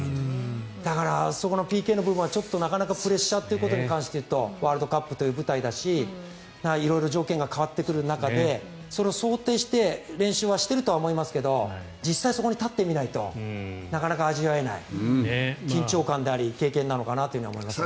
だから、そこのＰＫの部分はプレッシャーということに関して言うとワールドカップという舞台だし色々条件が変わってくる中でそれを想定して練習はしてると思いますけど実際、そこに立ってみないとなかなか味わえない緊張感であり経験なのかなと思いますね。